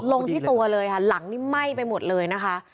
ลงที่ตัวเลยค่ะหลังนี้ไหม้ไปหมดเลยนะคะ